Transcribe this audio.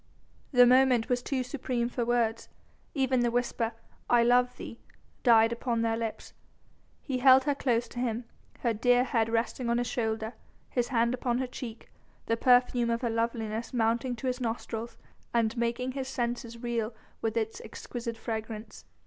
The moment was too supreme for words. Even the whisper, "I love thee!" died upon their lips. He held her close to him, her dear head resting on his shoulder, his hand upon her cheek, the perfume of her loveliness mounting to his nostrils and making his senses reel with its exquisite fragrance.